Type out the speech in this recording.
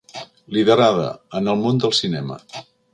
Liderada, en el món del cinema.